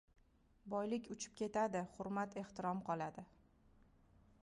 • Boylik uchib ketadi, hurmat-ehtirom qoladi.